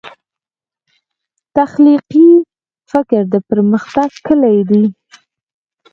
تخلیقي فکر د پرمختګ کلي دی.